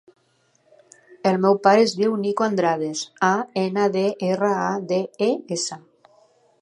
El meu pare es diu Nico Andrades: a, ena, de, erra, a, de, e, essa.